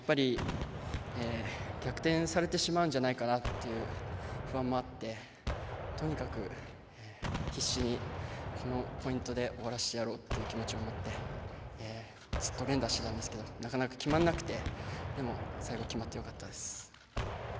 逆転されてしまうんじゃないかなという不安もあって、とにかく必死にこのポイントで終わらせてやろうって気持ちを持ってずっと連打してたんですけどなかなか決まらなくてでも、最後決まってよかったです。